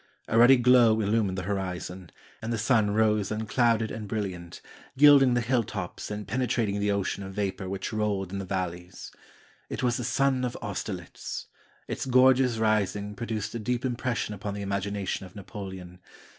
A ruddy glow illu mined the horizon, and the sun rosp Aanclouded and bril liant, gilding the hill tops and penetrating the ocean of vapor which rolled in the valleys. It was the ''Sun of Austerlitz." Its gorgeous rising produced a deep impres sion upon the imagination of Napoleon.